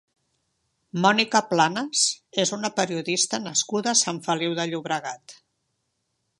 Mònica Planas és una periodista nascuda a Sant Feliu de Llobregat.